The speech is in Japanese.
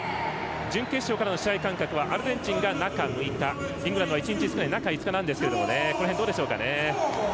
準決勝からの試合間隔はアルゼンチンが中６日イングランドは１日少ない中５日なんですがこれはどうですかね。